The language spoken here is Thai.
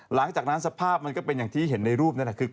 หลังจากนั้นสภาพมันก็เป็นอย่างที่เห็นในรูปนั้นคือ